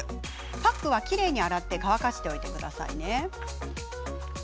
パックは、きれいに洗って乾かしておいてくださいね。